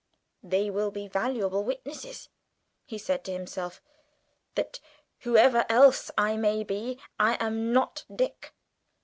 "They will be valuable witnesses," he said to himself, "that, whoever else I may be, I am not Dick."